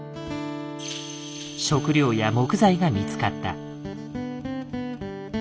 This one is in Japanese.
食料や木材が見つかった。